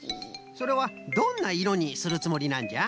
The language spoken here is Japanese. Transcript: それはどんないろにするつもりなんじゃ？